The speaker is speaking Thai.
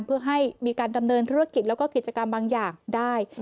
เพื่อให้มีการดำเนินธุรกิจแล้วก็กิจกรรมบางอย่างได้